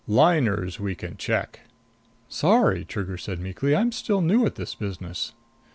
Liners we can check." "Sorry," Trigger said meekly. "I'm still new at this business."